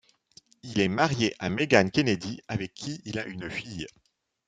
Il est marié à Meaghan Kennedy avec qui il a une fille.